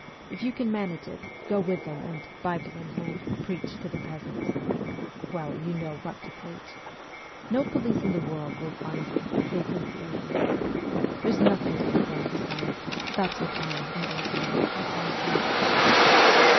If you can manage it, go with them and, Bible in hand, preach to the peasants. ... Well, you know what to preach. ... No police in the world will find you, if they conceal you. ... There's nothing to be done besides ; that's what I, an old man, advise you.'